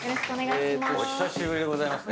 お久しぶりでございますね。